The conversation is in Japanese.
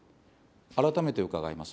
改めて伺います。